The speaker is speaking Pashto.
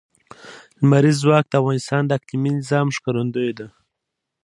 لمریز ځواک د افغانستان د اقلیمي نظام ښکارندوی ده.